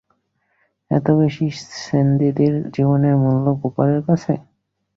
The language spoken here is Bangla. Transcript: এতবেশি সেনদিদির জীবনের মূল্য গোপালের কাছে?